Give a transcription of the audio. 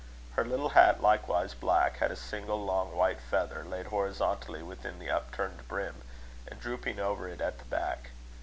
Her little hat, likewise black, had a single long, white feather, laid horizontally within the upturned brim, and drooping over it at the back.